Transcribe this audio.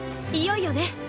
いよいよね。